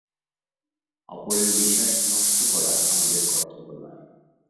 অপরের বিশ্বাস নষ্ট করা আমাদের কর্তব্য নয়।